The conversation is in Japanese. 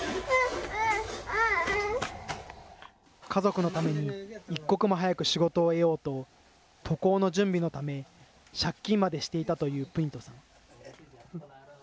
家族のために一刻も早く仕事を得ようと、渡航の準備のため、借金までしていたというプニトさん。